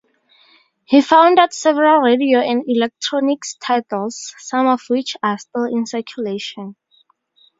He founded several radio and electronics titles, some of which are still in circulation.